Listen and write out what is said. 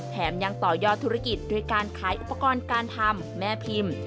แถมยังต่อยอดธุรกิจด้วยการขายอุปกรณ์การทำแม่พิมพ์